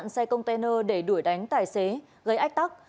chặn xe container để đuổi đánh tài xế gây ách tắc